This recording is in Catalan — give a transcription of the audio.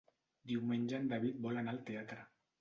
Diumenge en David vol anar al teatre.